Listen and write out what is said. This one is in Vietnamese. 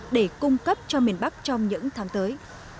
để cung cấp cho miền bắc trong những tháng tới